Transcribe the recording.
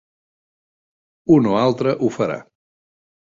Un o altre ho farà.